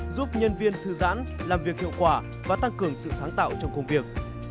giúp nhân viên thư giãn làm việc hiệu quả và tăng cường sự sáng tạo trong công việc